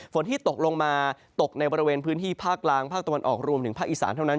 ฝนที่ตกลงมาตกในบริเวณพื้นที่ภาคกลางภาคตะวันออกรวมถึงภาคอีสานเท่านั้น